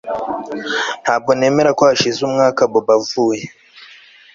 Ntabwo nemera ko hashize umwaka Bobo avuye